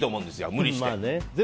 無理して。